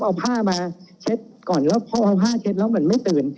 เอาผ้ามาเช็ดก่อนแล้วพอเอาผ้าเช็ดแล้วเหมือนไม่ตื่น